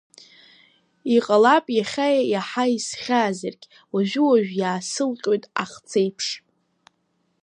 Иҟалап иахьа иаҳа исхьаазаргь, уажәы-уажә иаасылҟьоит ахцеиԥш.